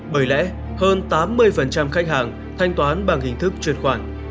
bởi lẽ hơn tám mươi khách hàng thanh toán bằng hình thức truyền khoản